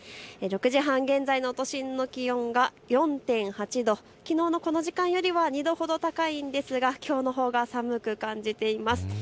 ６時半現在の都心の気温が４．８度、きのうのこの時間よりは２度ほど高いんですがきょうのほうが寒く感じています。